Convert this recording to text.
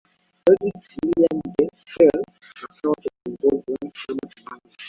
Fredrick Willeum De Krelk akawa kiongozi wa chama tawala